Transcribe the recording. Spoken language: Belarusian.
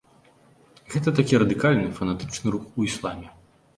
Гэта такі радыкальны, фанатычны рух у ісламе.